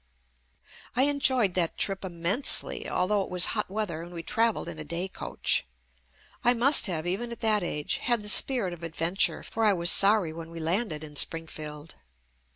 I enjoyed that trip immensely, although it JUST ME was hot weather and we travelled in a day coach. I must have, even at that age, had the spirit of adventure, for I was sorry when we landed in Springfield.